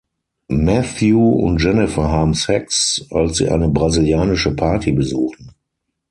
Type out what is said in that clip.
Matthew und Jennifer haben Sex, als sie eine brasilianische Party besuchen.